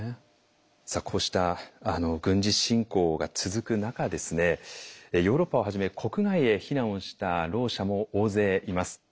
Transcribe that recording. さあこうした軍事侵攻が続く中ヨーロッパをはじめ国外へ避難をしたろう者も大勢います。